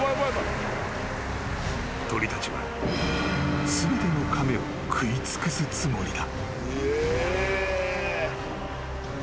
［鳥たちは全ての亀を食い尽くすつもりだ］